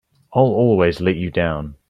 I'll always let you down!